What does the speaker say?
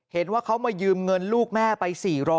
เห็นว่าเขามายืมเงินลูกแม่ไป๔๐๐